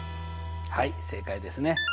はい正解ですね。